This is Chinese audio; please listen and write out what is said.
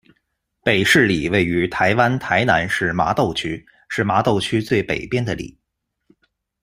北势里位于台湾台南市麻豆区，是麻豆区最北边的里。